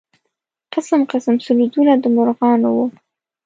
قسم قسم سرودونه د مرغانو و.